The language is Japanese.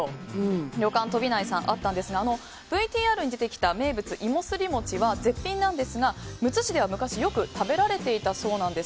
旅館とびないさんあったんですがＶＴＲに出てきた名物芋すり餅は絶品なんですがむつ市では昔よく食べられていたそうなんです。